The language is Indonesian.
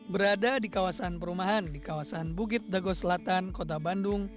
berada di kawasan perumahan di kawasan bukit dago selatan kota bandung